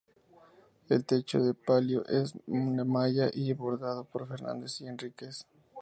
El techo del palio es de malla y bordado por Fernández y Enríquez.